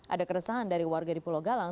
ada keresahan dari warga di pulau galang